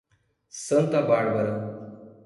Santa Bárbara